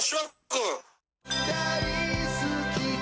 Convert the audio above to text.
「大好きと」